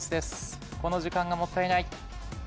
この時間がもったいない。